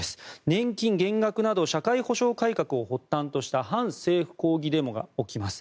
年金減額など社会保障改革を発端とした反政府抗議デモが起こります。